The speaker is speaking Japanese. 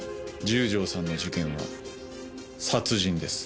十条さんの事件は殺人です。